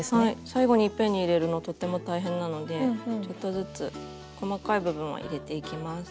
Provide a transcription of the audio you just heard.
最後にいっぺんに入れるのとっても大変なのでちょっとずつ細かい部分は入れていきます。